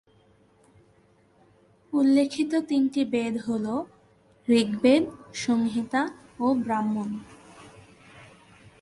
উল্লেখিত তিনটি বেদ হল ঋগ্বেদ, সংহিতা ও ব্রাহ্মণ।